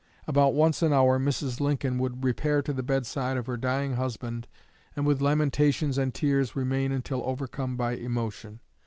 About once an hour Mrs. Lincoln would repair to the bedside of her dying husband and with lamentations and tears remain until overcome by emotion....